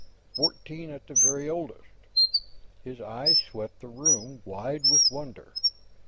Fourteen, at the very oldest. His eyes swept the room, wide with wonder.